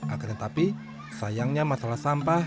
akhirnya tapi sayangnya masalah sampah